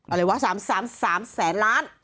อะไรวะ๓๐๐๐๐๐๐ล้าน